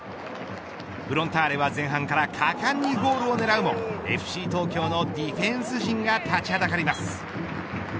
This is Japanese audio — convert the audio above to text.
フロンターレは前半から果敢にゴールを狙うもＦＣ東京のディフェンス陣が立ちはだかります。